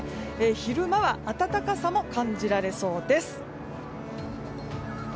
昼間は暖かさも感じられそうです。